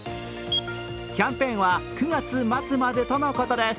キャンペーンは９月末までとのことです。